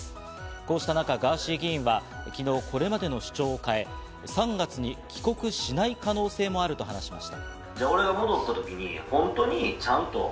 こうした中、ガーシー議員は昨日これまでの主張を変え、３月に帰国しない可能性もあると話しました。